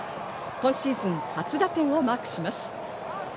今シーズン初打点をマークします。